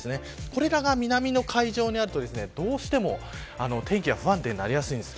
これらが南の海上にあると、どうしても天気が不安定になりやすいんです。